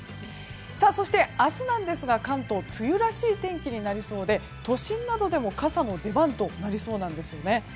そして、明日なんですが関東、梅雨らしい天気になりそうで都心などでも傘の出番となりそうなんですね。